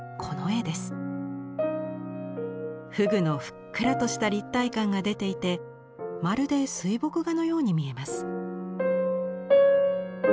河豚のふっくらとした立体感が出ていてまるで水墨画のように見えます。